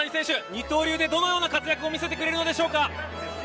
二刀流でどのような活躍を見せてくれるのでしょうか。